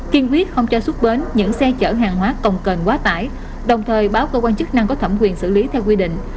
kiên quyết không cho xuất bến những xe chở hàng hóa còng cần quá tải đồng thời báo cơ quan chức năng có thẩm quyền xử lý theo quy định